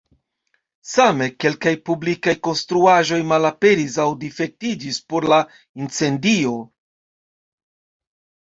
Same, kelkaj publikaj konstruaĵoj malaperis aŭ difektiĝis por la incendio.